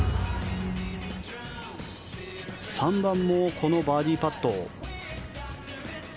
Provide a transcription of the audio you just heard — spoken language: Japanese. ３番もこのバーディーパット。